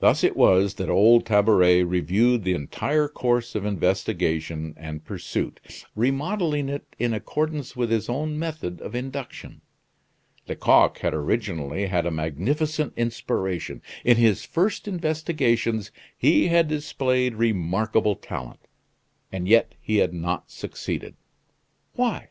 Thus it was that old Tabaret reviewed the entire course of investigation and pursuit, remodeling it in accordance with his own method of induction. Lecoq had originally had a magnificent inspiration. In his first investigations he had displayed remarkable talent; and yet he had not succeeded. Why?